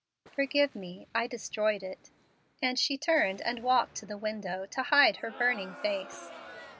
"Forgive me! I destroyed it," and she turned and walked to the window to hide her burning face.